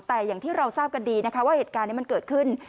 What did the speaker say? แต่อย่างที่เราทราบกันดีนะคะว่าเหตุการณ์นี้มันเกิดขึ้น